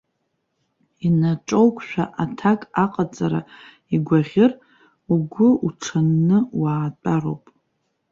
Инаиҿоукша аҭак аҟаҵара игәаӷьыр, угәы уҽанны уаатәароуп.